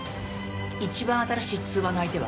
一番新しい通話の相手は？